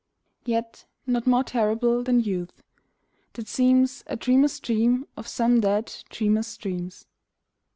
' Yet not more terrible than Youth, that seems A dreamer's dream of some dead dreamer's dreams.